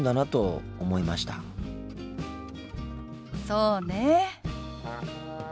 そうねえ。